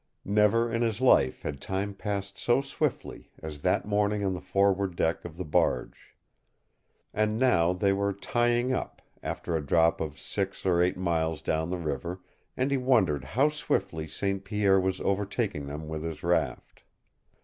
Never in his life had time passed so swiftly as that morning on the forward deck of the barge. And now they were tying up, after a drop of six or eight miles down the river, and he wondered how swiftly St. Pierre was overtaking them with his raft.